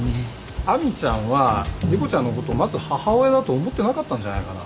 亜美ちゃんは莉湖ちゃんのことまず母親だと思ってなかったんじゃないかな？